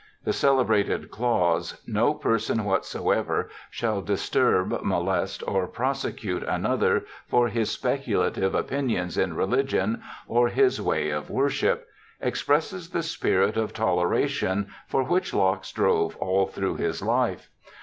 The celebrated clause, ' No person whatsoever shall disturb, molest, or prosecute another for his specu lative opinions in religion or his way of worship,' expresses the spirit of toleration for which Locke strove all through his life.